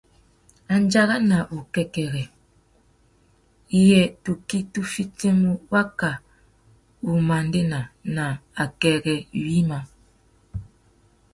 Andjara na wukêkêrê : yê tukí tu fitimú waka wumandēna wa akêrê yïmá ?